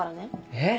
えっ？